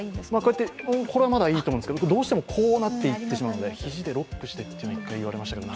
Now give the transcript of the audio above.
これはまだいいんですけど、どうしてもこうなっしまうので肘でロックしてって言われましたけど。